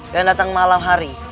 yang datang malam hari